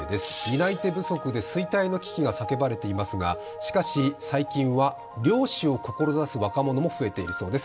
担い手不足で衰退の危機が叫ばれていますがしかし、最近は漁師を志す若者も増えているそうです。